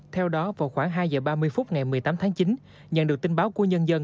theo đó vào khoảng hai h ba mươi phút ngày một mươi tám tháng chín nhận được tin báo của nhân dân